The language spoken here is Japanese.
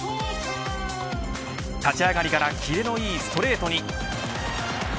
立ち上がりから切れのいいストレートに。